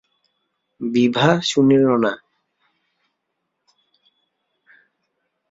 বিভা শুনিল না।